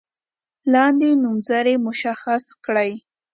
لاندې نومځري مشخص کړئ.